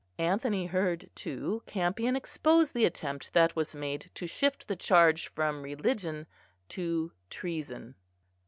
Anthony heard, too, Campion expose the attempt that was made to shift the charge from religion to treason.